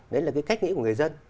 đấy là cái cách nghĩ của người dân